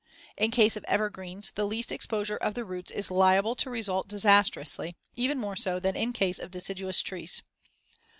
In case of evergreens, the least exposure of the roots is liable to result disastrously, even more so than in case of deciduous trees.